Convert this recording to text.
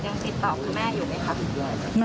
ยังติดต่อคุณแม่อยู่ไหมครับ